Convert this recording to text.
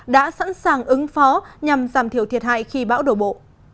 đã sẵn sàng ứng phó nhằm giảm thiểu thiệt hại khi bão đổ bộ